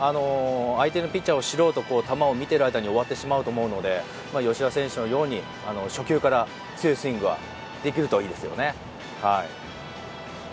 相手のピッチャーを知ろうと球を見ている間に終わってしまうと思うので吉田選手のように初球から強いスイングができるといいですよね。